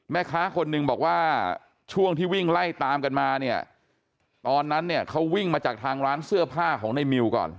แม่ค้าคนหนึ่งบอกว่าช่วงที่วิ่งไล่ตามกันมาเนี่ยตอนนั้นเนี่ยเขาวิ่งมาจากทางร้านเสื้อผ้าของในมิวก่อน